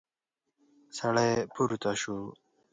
سړی پورته شو.